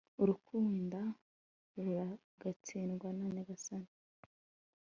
urukunda ruragatsindwa na nyagasani